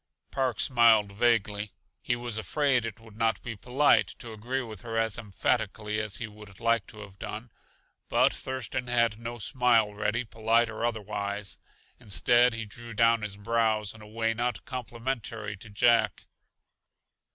Park smiled vaguely. He was afraid it would not be polite to agree with her as emphatically as he would like to have done. But Thurston had no smile ready, polite or otherwise. Instead he drew down his brows in a way not complimentary to Jack.